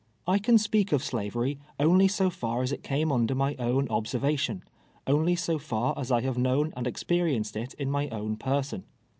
1 can speak of Slavery only so far as it came under my own observation — only so far as I have known and experienced it in niy own person.